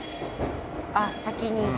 あっ先に。